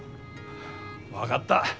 分がった。